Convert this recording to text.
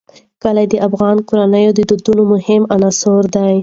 کلي د افغان کورنیو د دودونو مهم عنصر دی.